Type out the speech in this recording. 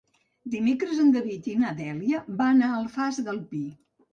Dimecres en David i na Dèlia van a l'Alfàs del Pi.